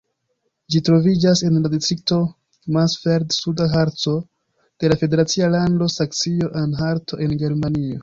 Ĝi troviĝas en la distrikto Mansfeld-Suda Harco de la federacia lando Saksio-Anhalto en Germanio.